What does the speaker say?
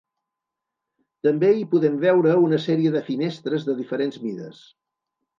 També hi podem veure una sèrie de finestres de diferents mides.